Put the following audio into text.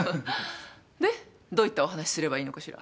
でどういったお話すればいいのかしら？